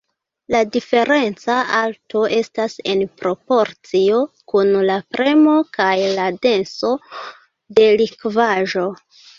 La diferenca alto estas en proporcio kun la premo kaj la denso de likvaĵo.